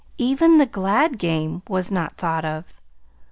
Even the glad game was not thought of.